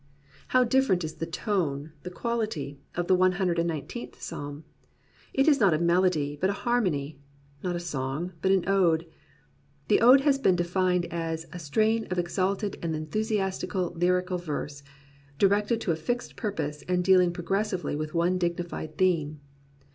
How different is the tone, the quality, of the One Hundred and Nineteenth Psalm ! This is not a melody, but a harmony; not a song, but an ode. The ode has been defined as "a strain of exalted and enthusiastic lyrical verse, directed to a fixed purpose and dealing progressively with one dignified theme."